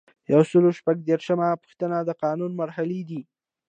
یو سل او شپږ دیرشمه پوښتنه د قانون مرحلې دي.